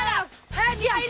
nah yang manis